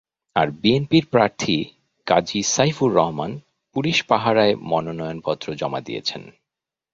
আর বিএনপির প্রার্থী কাজী সাইফুর রহমান পুলিশ পাহারায় মনোনয়নপত্র জমা দিয়েছেন।